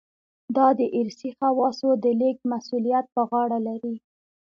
دا د ارثي خواصو د لېږد مسوولیت په غاړه لري.